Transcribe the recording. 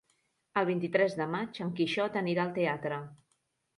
El vint-i-tres de maig en Quixot anirà al teatre.